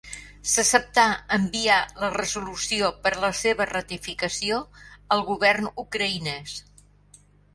S'acceptà enviar la resolució per a la seva ratificació al govern ucraïnès.